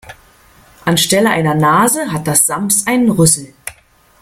Anstelle einer Nase hat das Sams einen Rüssel.